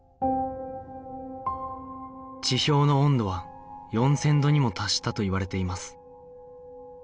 地表の温度は４０００度にも達したといわれています